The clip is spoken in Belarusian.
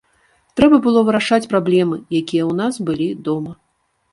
Трэба было вырашаць праблемы, якія ў нас былі дома.